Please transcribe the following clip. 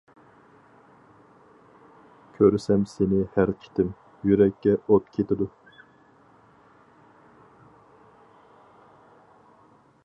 كۆرسەم سېنى ھەر قېتىم، يۈرەككە ئوت كېتىدۇ.